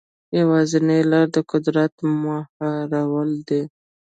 یوازینۍ لاره د قدرت مهارول دي.